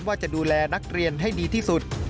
ว่าจะดูแลนักเรียนให้ดีที่สุด